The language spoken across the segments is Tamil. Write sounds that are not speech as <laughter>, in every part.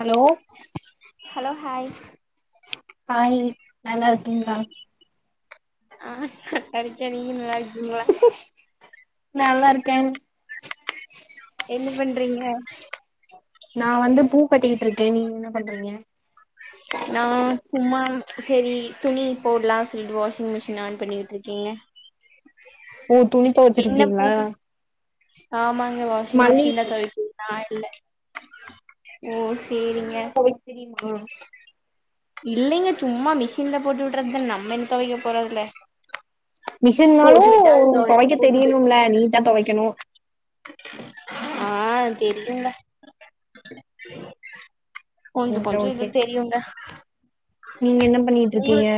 ஹலோ? Hello hi. ஹாய் நல்லார்க்கிங்ளா? ஆ <unintelligible> நீங்க நல்லா இருக்கிங்ளா? நல்லாருக்கன். என்னு பண்றீங்க? நா வந்து பூ கட்டிகிட்ருக்கே நீங்க என்ன பண்றீங்க? நா சும்மா செரி துணி போட்லா சொல்ட்டு வாஷிங் மிஷின் ஆன் பண்ணி விட்ருக்கேங்க. ஓ துணி என்ன துவச்சிருக்கீங்களா பூவு? ஆமாங்க வா வாஷிங் மிஷின்தா மல்லிகைப்பூ தொவைக்கிது நா இல்ல ஓ கைலி சேரிங்க எல்லா தொவைக் தெரிமா? இல்லிங்க சும்மா மிஷின்ல போட்டு விட்றத்தா நம்ம என்ன துவைக்க போறோ அதுல மிஷின்னாலு தொவைக்க போகுது தெரியுணுல்ல நீட்டா தொவைக்கணு. ஆ தெரியுங்க. கொஞ்சொ ஓகே கொஞ்சொ எதோ ஓகே தெரியுங்க. நீங்க என்ன பண்ணிட்ருக்கிங்க? உங்களுக்கு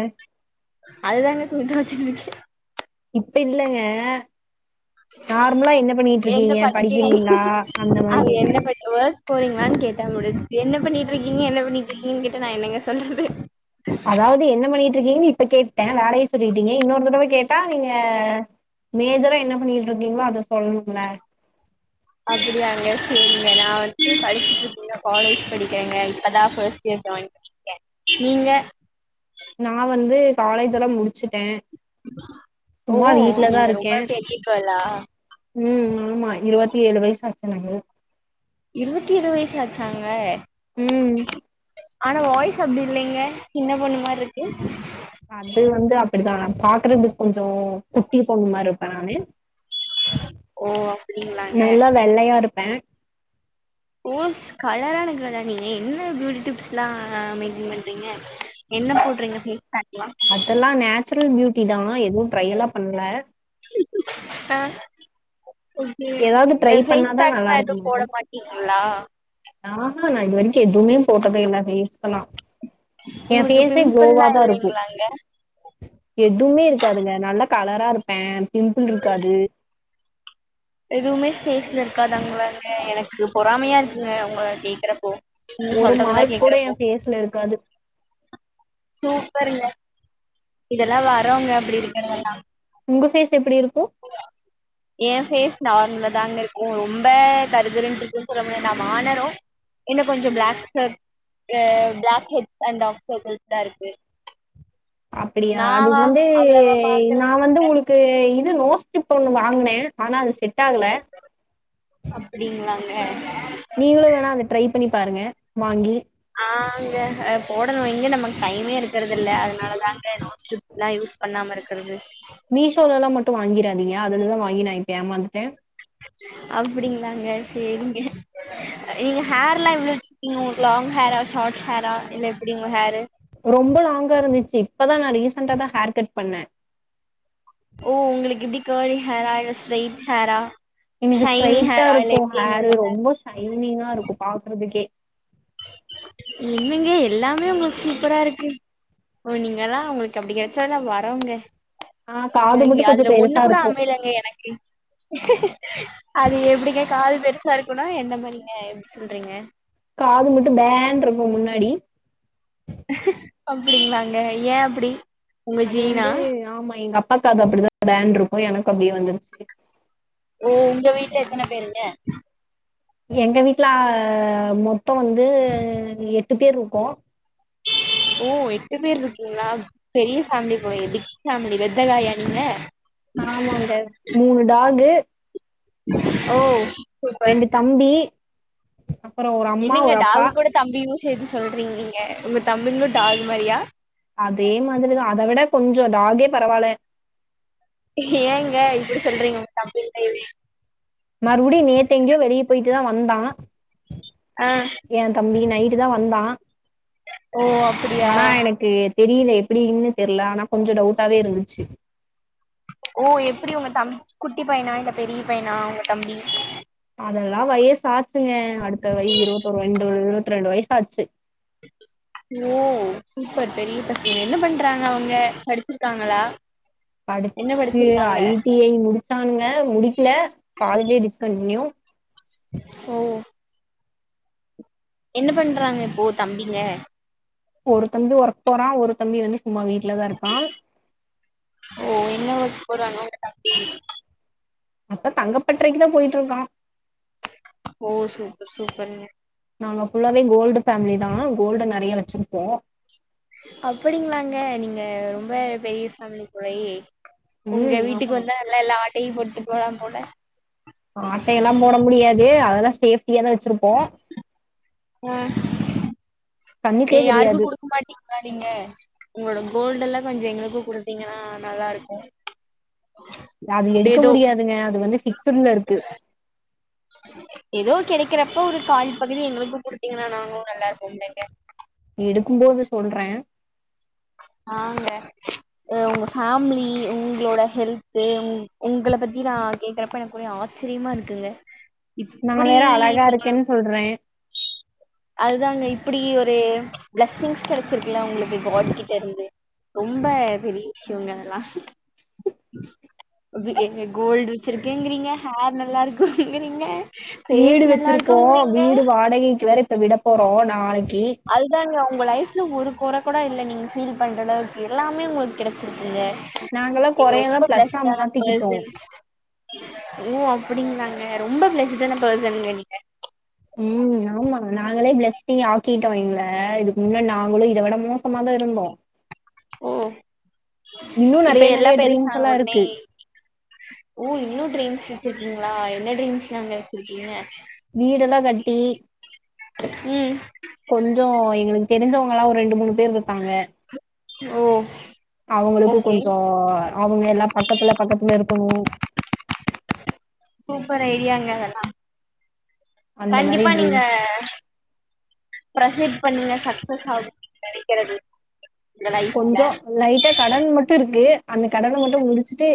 அதுதாங்க துணி தொவச்சிட் நிக்கே. இப்ப இல்லங்க. நார்மலா என்ன என்ன பண்ணிட்ருக்கிங்க படிக்கிறீங்க படிக்கிறிங்ளா அந்த மாரி அது கேக்கறே. என்ன பண் ஒர்க் போறீங்களான் கேட்டா முடிஞ்ச்சு என்ன பண்ணிட்ருக்கீங்க என்ன பண்ணிட்ருக்கீங்கன் கேட்டா நா என்னங்க சொல்றது. அதாவது என்ன பண்ணிகிட்ருக்கீங்கன் இப்ப கேட்டே வேலைய சொல்லிட்டீங்க. இன்னோரு தடவ கேட்டா நீங்க மேஜரா என்ன பண்ணிட்டு இருக்கீங்ளோ அத சொல்ணும்ல. அப்பிடியாங்க சேரிங்க நா வந்து படிச்சுட்ருக்கேங்க காலேஜ் படிக்கறேங்க இப்பதா ஃபஸ்ட் இயர் ஜாயின் ப கே நீங்க? நா வந்து காலேஜ் எல்லா முடிச்சிட்டே. ஓ நீங்க இருக்கே ரொம்ப பெரிய கேளா? ம் ஆமா இருவத்தி ஏழு வய்சு ஆச்சு எனக்கு. இருவத்தி ஏழு வயசு ஆச்சாங்க ம் ஆனா வாய்ஸ் அப்டி இல்லைங்க சின்ன பொண்ணு மார்ருக்கு அது வந்து அப்டிதா பாக்குறதுக் கொஞ்சொ குட்டி பொண்ணு மார் ருப்பே நானு ஓ அப்டிங்களாங்க வெள்ளையாருப்ப ஓஸ் கலரான கேர்லா நீங்க என்ன பியூட்டி டிப்ஸ்லா மெயின்டெயின் பண்றீங்க என்ன போடுறீங்க ஃபேஸ்பேக்லா அதெல்லா நேச்சுரல் பியூட்டிதா எதுவும் ட்ரை எல்லா பண்ல ஆ ஓகே ஏதாவது ட்ரை எ பண்ணாதா நல்லா ஃபேஸ்பேக்லா இருக்க எதுவு போட மாட்டோ மாட் டீங்ளா ஆஹா நா இது வரைக்கு எதுவுமே போட்டதே இல்ல ஃபேஸ்க்குலா எ உங்களுக்கு ஃபேஸே பிம்பிள்லாம் க்லோவாதாருக்கு இல்லைங்களாங்க எதுவுமே இருக்காதுங்க நல்லா கலராருப்பே பிம்பிள் இருக்காது எதுவுமே ஃபேஸ்ல இருக்காதாங்களாங்க எனக்கு பொறாமையா இருக்குங்க உங்கள கேக்குறப்போ ஒரு மார்க் கூட எ ஃபேஸ்ல இருக்காது சூப்பருங்க இதெல்லா வரோங்க அப்டி இருக்கறதெல்லா உங்க ஃபேஸ் எப்புடி இருக்கு <inaudible> ஏ பேஸ் நார்மலா தாங்கருக்கு ரொம்ப கருகருன்றுக்குன் சொல்ல முடியா நா மாநெறோ என்ன கொஞ்சோ ப்ளாக் சர்க் கு ப்ளாக் ஹெட்ஸ் அண்ட் டாக் சர்கிள்ஸ்தா இருக்கு அப்பிடியா அதுக் வந்து அவ்வளவா நா பார்க்கறது வந்து இல்ல. உங்ளுக் கு இது நோஸ் கிப் ஒன்னு வாங்குன ஆனா அது செட் ஆகல அப்டிங்களாங்க நீங்களு வேணா அத ட்ரை பண்ணி பாருங்க வாங்கி ஆங்க அ போடணு எங்க நமக்கு டைமே இருக்கறதில்ல அதனாலதாங்க நோஸ் டிப் லா யூஸ் பண்ணாம இருக்கறது மீஷோலல்லா மட்டு வாங்கிறாதீங்க அதுலதா வாங்கி நா இப்ப ஏமாந்துட்டே அப்டிங்ளாங்க சேரிங்க நீங்க ஹேர்லா எவ்ளோ வச்சிருக்கீங்க உங்ளுக் லாங் ஹேரா ஷார்ட் ஹேரா இல்ல எப்டி உங்க ஹேரு ரொம்ப லாங் ஹேர் இருந்திச்சு இப்பதா நா ரீசன்டாதா ஹேர் கட் பண்ண ஓ உங்குளுக் எப்டி கர்லி ஹேரா இல்ல ஸ்ட்ரைட் ஹேரா எனக்கு ஷைனி ஸ்ட்ரைட்டா ஹேரா இல்ல இருக்கு எப்டிங்க ஹேரு உங்க ஹேர் ரொம்பொ ஷைனிங்கா இருக்கு பாக்குறதுக்கே என்னங்க எல்லாமே உங்களுக் சூப்பராருக்கு ஓ நீங்களா உங்குளுக் அப்டி கெடச்சதுலா வரோங்க ஆ காது எனக்கு மட்டு கொஞ்சோ அதுல பெருசா ஒன்னு கூட இருக்கு அமையலேங்க எனக்கு அது எப்டிங்க கால் பெருசா இருக்குனா என்ன மாரிங்க எப்டி சொல்றீங்க காது மட்டு பே ன்றுக்கு முன்னாடி அப்டிங்ளாங்க ஏ அப்டி உங்க அது ஜீனா வந்து ஆமா எங்க அப்பா காது அப்டிதா பே ன்றுக்கு எனக்கு அப்டியே வந்துருச்சு ஓ உங்க வீட்ல எத்தன பேருங்க எங்க வீட்ல மொத்தொ வந்து எட்டு பேர்ருக்கோ ஓ எட்டு பேர் இருக்கீங்ளா பெரிய ஃபேமிலி போலயே பிக் ஃபேமிலி வெத்தகாயா நீங்க ஆமாங்க மூணு டாகு ஓ சூப்பர் ரெண்டு தம்பி அப்பறோ ஒரு அக் என்னங்க டாகு கூட தம்பியு சேர்த்து சொல்றீங் நீங்க உங்க தம்பிங்லு டாகு மாரியா அதே மாதிரிதா அதவிட கொஞ்சோ டாகே பரவால ஏங்க இப்டி சொல்றீங்க உங்க தம்பிய <inaudible> மறுவுடியு நேத்து எங்கெயோ வெளிய போயிட்டுதா வந்தா ஆ எ தம்பி நைட்டு தா வந்தா ஓ அப்டியா ஆனா எனக்கு தெரில எப்டின்னு தெர்ல ஆனா கொஞ்சோ டவுட்டாவே இருந்துச்சு ஓ எப்டி உங்க தம் குட்டி பையனா இல்ல பெரிய பையனா உங்க தம்பி அதெல்லா வயசாச்சுங்க அடுத்த வய் இருவத்தோர் ரெண்டு இருவத்ரெண்டு வயசாச்சு ஓ சூப்பர் பெரிய பசங்க என்ன பண்றாங்க அவங்க படிச்சிருக்காங்களா என்ன படிச்சு படிச்சிருக்காங்க ஐ டி ஐ முடிச்சானுங்க முடிக்கில பாதிலயே டிஸ்கன்ட்னியு ஓ என்ன பண்றாங்க இப்போ தம்பிங்க ஒரு தம்பி ஒர்க் போறா ஒரு தம்பி வந்து சும்மா வீட்லதா இருக்கா ஓ என்ன ஒர்க் போறாங்க உங்க தம்பி அப்ப தங்கப்பட்டறைக்கு தா போயிட்ருக்கா ஓ சூப்பர் சூப்பர்ங்க நாங்க ஃபுல்லாவே கோல்டு ஃபேமிலி தா கோல்டு நெறைய வச்சுருப்போ அப்டிங்களாங்க நீங்க ரொம்ப பெரிய ஃபேமிலி போலயே ம் உங்க ஆமா வீட்டுக்கு வந்தா நல்லா எல்லா ஆட்டைய போட்டு போலாம் போல ஆட்டைய எல்லா போட முடியாது அதெல்லா சேப்ட்டியாதா வச்சிருப்போம் ம் ஏ யாருக்கு தெரியாது குடுக்க மாட் கதீங்க உங்களோட கோல்டுல்லா கொஞ்சோ எங்களுக்கு குடுத்தீங்கன்னா நல்லா இருக்கு அது எடுக்க முடியாதுங்க அது வந்து பிக்சடுல்ல இருக்கு ஏதோ கெடைக்கரப்போ ஒரு கால்பகுதி எங்குளுக்கு குடுதீங்னா நாங்களு நல்லா இருபோம்லேங்க எடுக்கும்போது சொல்றே ஆங்க உங்க ஃபேமிலி உங்ளோட ஹெல்த்து உங்கள பத்தி நா கேட்கறப்போ எனக் ஒரே ஆச் சிரிமா இருக்குங்க நா இப்டி வேற <inaudible> அழகா இருக்கேன்னு சொல்றே அதாங்க இப்டி ஒரு பிளஸ்ஸிங்ஸ் கெடைச்சிருக்குல உங்களுக்கு காட்கிட் டருந்து ரொம்ப பெரிய விஷ்யோங்க இதலா அப்பி ஏங்க கோல்டு வச்சிருக்கேங்கிறீங்க ஹேர் நல்லா இருக்குங்கிறீங்க ஃபேஸ் வீடு நல்லா வச்சிருக்கோ இருக்குங்கிறீங்க வீடு வாடகைக்கு வேற இப்ப விட போறோ நாளைக்கி அதுதாங்க உங்கள் லைஃப்ல ஒரு குற கூட இல்ல நீங்கள் ஃபீல் பண்ற அளவுக்கு எல்லாமே உங்களுக்கு கெடச்சிருக்குங்க நாங்கல்லா நீங்க ரொம்ப கொறையெல்லா பிளஸ்ஸா பெள்ஸ்டான மாத்திக்கிட்டோ பெர்சன் ஓ அப்டிங்காளங்க ரொம்ப பிளஸ்டான பெர்சனுங்க நீங்க ஆமாங்க நாங்களே பிளஸ்சிங் ஆக்கிட்டோ எங்ள இதுக்கு முன்ன நாங்களு இத விட மோசமா தா இருந்தோ ஓ இன்னு இப்ப நெறைய எல்லா நெறைய ட்ரீம்ஸ் பெருசான எல்லா உன்னே இருக்கு ஓ இன்னு ட்ரீம்ஸ் வச்சிருக்கீங்களா என்ன ட்ரீம்ஸ்ங்கங்க வச்சிருக்கீங்க வீடெல்லா கட்டி ம் கொஞ்சோ எங்களுக்கு தெரிஞ்சவங்கல்லா ஒரு ரெண்டு மூணு பேர் இருக்காங்க ஓ அவங்களுக்கு ஓகே கொஞ்சோ அவங்க எல்லா பக்கத்துல பக்கத்துல இருக்கணு சூப்பர் ஐடியாங்க இதெல்லா அந்த மாரி கண்டிப்பா நீங்க ட்ரீம்ஸ் ப்ரேசிட் பண்ணுங்க சக்சஸ் ஆகும் நீங்க நெனைக்கிறது உங்க லைஃப்ல கொஞ்சோ லைட்டா கடன் மட்டு இருக்கு அந்த கடன மட்டு முடிச்சுட்டு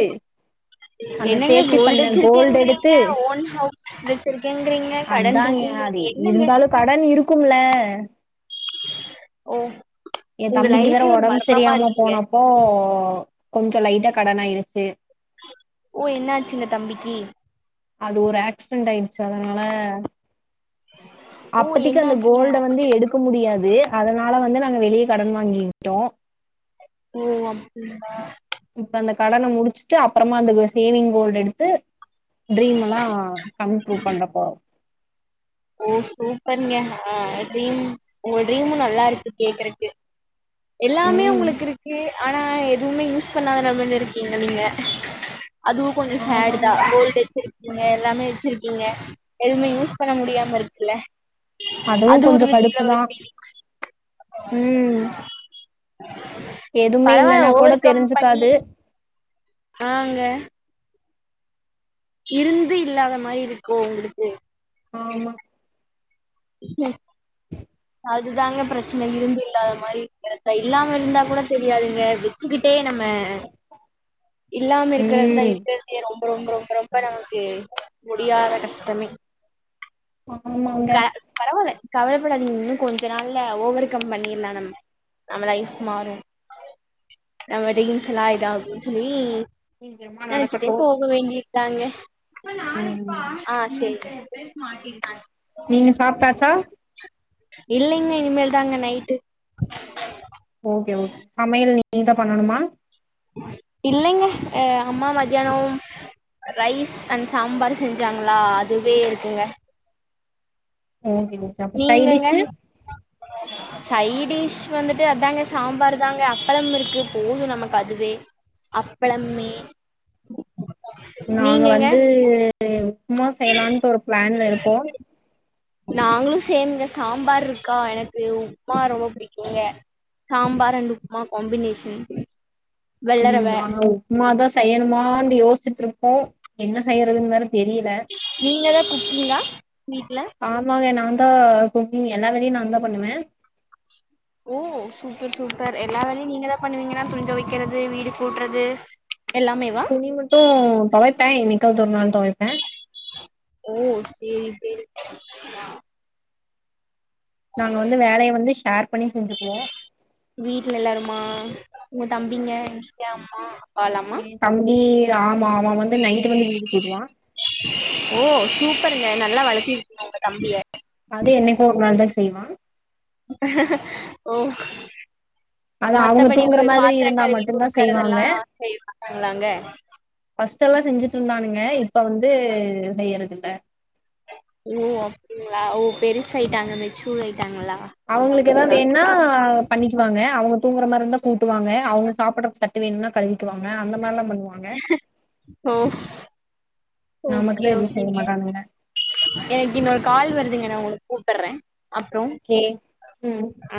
அந்த என்னங்க சேஃப்டி கோல்டு பண்ண கோல்டு எடுத்து வச்சிருக்கேங்கிறீங்க ஓன் ஹவுஸ் வச்சிருக்கேங்கிறீங்க கடன் அதாங்க அது இருக்குங்கிறீங்க என்னங்க இருந்தாலு கடன் இருக்கும்ல ஓ எ உங்க தம்பிக்கு வேற லைஃபே ஒரு ஒடம்பு மர்மமா செரியாம இருக்குங்க போனப்போ கொஞ்சோ லைட்டா கடனாயிருக்கு ஓ என்னாச்சுங்க தம்பிக்கு அது ஒரு ஆக்சிடன்ட் ஆயிடுச்சு அதனால ஓ அப்பத்திக்கு அந்த என்னாச்சுங்க கோல்ட வந்து எடுக் க முடியாது அதனால வந்து நாங்க வெளியே கடன் வாங்கிட்டோ ஒ அப்டிங்களா இப்ப அந்த கடன முடிச்சுட்டு அப்பறமா அந்த சேவிங் கோல்ட எடுத்து ட்ரீம் எல்லா <unintelligible> பண்ண போறோ ஓ சூப்பருங்க ஆ ட்ரீம் உங்க ட்ரீமும் நல்லா இருக்கு கேக்குறக்கு எல்லாமே ம் உங்களுக்கு இருக்கு ஆனா எதுமே யூஸ் பண்ணாத நிலமையில இருக்கீங்க நீங்க அதுவு கொஞ்ச சேட் தா ஆமாங்க கோல்ட் வச்சிருக்கீங்க எல்லாமே வச்சிருக்கீங்க எதுவுமே யூஸ் பண்ண முடியாம இருக்குல அதுவு அது ஒரு கொஞ்சோ விதத்துல ஒரு கடுப்புதா பீலிங் ம் எதுவுமே பரவாயில்ல இல்லன்னா கூட ஓவர் கம் பண்ணி தெரிஞ்சுக்காது ஆங்க இருந்து இல்லாத மாதிரி இருக்கும் உங்களுக்கு ஆமா. அதுதாங்க பிரச்சன இருந்து இல்லாத மாதிரி இருக்கிறதா இல்லாம இருந்தா கூட தெரியாதுங்க வெச்சுக்கிட்டே நம்ம இல்லாம இருக்குறது தா ம் இப் ரொம்ப ரொம்ப ரொம்ப ரொம்ப நமக்கு முடியாத கஷ்டமே ஆமாங்க க பரவாயில்ல கவலைப்படாதீங்க இன்னு கொஞ்ச நாள்ல ஓவர்கம் பண்ணிடலா நம்ம நம்ம லைப் மாறு. <unintelligible> சொல்லி சீக்கிரமா நெனச்சிட்டே நடக்கட்டு போக வேண்டியதுதாங்க ம்ம் ஆ சரிங்க நீங்க சாப்ட்டாச்சா இல்லிங்க இனிமேல் தாங்க நைட்டு ஒகே ஒகே சமயல் நீங்க தா பண்ணணுமா இல்லங்க அம்மா மதியானம் ரைஸ் அண்ட் சாம்பார் செஞ்சாங்களா அதுவே இருக்குங்க ஓகே ஓகே அப்ப நீங்கங்க சைடிஷு சைடிஷ் வந்துட்டு அதாங்க சாம்பார் தாங்க அப்பளம் இருக்கு போது நமக் பதுவே அப்பளமே. நாங்க நீங்கங்க வந்து உப்புமா செய்யலான்ட்டு ஒரு பிளான்ல இருக்கோ நாங்களு செய்யணுங்க சாம்பார் இருக்கா எனக்கு உப்புமா ரொம்ப பிடிக்குங்க. Sambar and upma combination. வெள்ளரவ ம் ஆனா உப்புமாதா செய்யணுமானு யோசிட்டு இருக்கோ என்ன செய்யறதுன்னு வேற தெரியல. நீங்க தா குக்கிங்கா வீட்டு்ல ஆமாங்க நா தா குக்கிங் எல்லா வேலையு நா தா பண்ணுவ. ஓ சூப்பர் சூப்பர் எல்லா வேலையு நீங்கதா பண்ணுவீங்கனா துணி துவைக்குறது வீடு கூட்டுறது எல்லாமேவா துணி மட்டு துவைப்ப என்னிக்காது ஒரு நாள் துவைப்ப ஓ செரி செரி நாங்க வந்து வேலய வந்து ஷேர் பண்ணி செஞ்சுக்குவோ வீட்டுல எல்லாருமா உங்க தம்பிங்க நீங்க அம்மா அப்பாலாமா எய தம்பி ஆமா அவ வந்து நைட் வந்து மீதி போடுவா ஓ சூப்பருங்க நல்லா வளத்திருக்கீங்க உங்க தம்பிய அது என்னிக்கோ ஒரு நாள் தா செய்வா ஓ அது அவங்க மத்தபடி தூங்குற மாதிரி பாத்திர இருந்தா கழுவி மட்டுந்தா செய்வாங்க குடுக்கறதெல்லா செய்யமாட்டாங்களாங்க ஃபர்ஸ்ட் எல்லா செஞ்சுட்டு இருந்தானுங்க இப்ப வந்து செய்யறது இல்ல ஓ அப்டிங்ளா ஓ பெருசாயிட்டாங்க மெச்சூடாயிட்டாங்களா? அவங்களுக்கு ஏதா வேண்ணா பண்ணிக்குவாங்க அவங்க தூங்குற மாரி இருந்தா கூட்டுவாங்க அவங்க சாப்புட்ற தட் டு வேணுனா கழுவிக்குவாங்க அந்த மாரில்லா பண்ணுவா ங்க ஓ ஓகே நமக்குதா எதுவு செய்ய ஓகேங்க மாட்டாங்கங்க. எனக்கு இன்னொரு கால் வருதுங்க நா உங்கள கூப்புட்றே ஓகே ம் ஆ